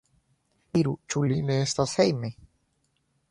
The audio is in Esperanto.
Diru, ĉu li ne estas hejme?